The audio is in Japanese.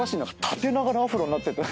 縦長のアフロになってて。